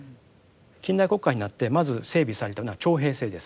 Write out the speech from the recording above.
近代国家になってまず整備されたのは徴兵制です。